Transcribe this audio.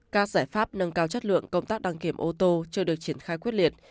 các giải pháp nâng cao chất lượng công tác đăng kiểm ô tô chưa được triển khai quyết liệt